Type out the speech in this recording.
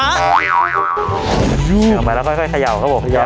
อ้าว